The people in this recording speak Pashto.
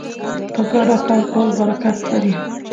په ګډه کار کول برکت لري.